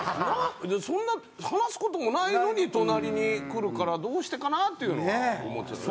そんな話す事もないのに隣に来るからどうしてかな？っていうのは思ってるよね。